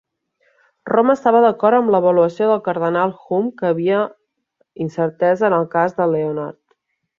Roma estava d'acord amb l'avaluació del Cardenal Hume que hi havia incertesa en el cas de Leonard.